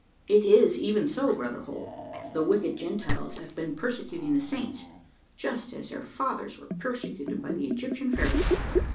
It is even so, Brother Holt the wicked Gentiles have been persecuting the Saints: just as their fathers were persecuted by the Egyptian Pharaohs."